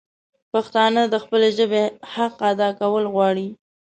پښتانه د خپلي ژبي حق ادا کول غواړي